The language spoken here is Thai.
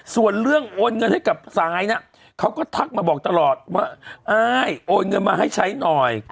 ส่วนเรื่องโอนเงินให้กับซายนะเขาก็ทักมาบอกตลอดว่าอ้ายโอนเงินมาให้ใช้หน่อย